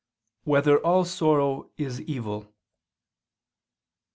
1] Whether All Sorrow Is Evil?